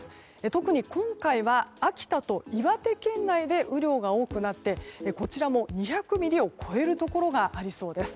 特に今回は秋田と岩手県内で雨量が多くなって、こちらも２００ミリを超えるところがありそうです。